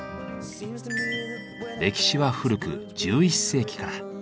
歴史は古く１１世紀から。